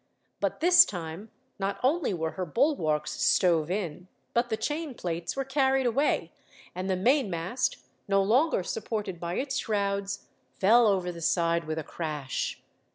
But this time, not only were her bulwarks stove in, but the chain plates were carried away; and the mainmast, no longer supported by its shrouds, fell over the side with a crash.